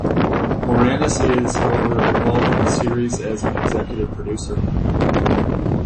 Moranis is, however, involved in the series as an executive producer.